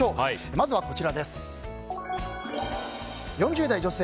まずは、４０代女性。